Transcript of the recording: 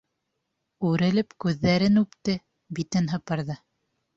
Үрелеп күҙҙәрен үпте, битен һыпырҙы.